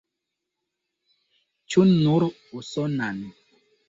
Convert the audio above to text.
Ĉu nur usonan?